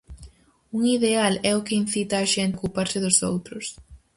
Un ideal é o que incita a xente a ocuparse dos outros.